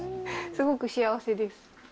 すごく幸せです。